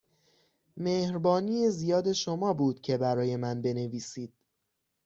مهربانی زیاد شما بود که برای من بنویسید.